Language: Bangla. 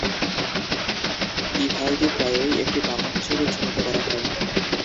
ইভালদি প্রায়ই একটি বামন হিসাবে চিহ্নিত করা হয়।